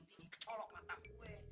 kecolok kata gue